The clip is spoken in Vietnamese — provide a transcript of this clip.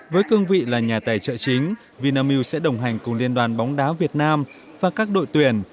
với cương vị là nhà tài trợ chính vinamilk sẽ đồng hành cùng liên đoàn bóng đá việt nam và các đội tuyển